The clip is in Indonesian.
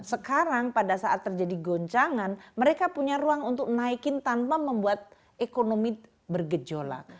sekarang pada saat terjadi goncangan mereka punya ruang untuk naikin tanpa membuat ekonomi bergejolak